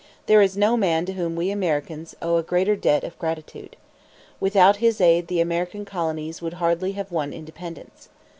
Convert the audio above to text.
There is no man to whom we Americans owe a greater debt of gratitude. Without his aid the American colonies would hardly have won independence.